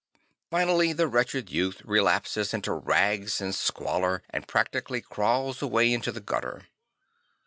Finally the wretched youth relapses into rags and squalor and practically cra\vls away into the gutter.